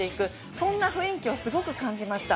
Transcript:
そんな雰囲気をすごく感じました。